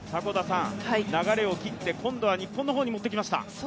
流れを切って、今度は日本の方に持ってきました。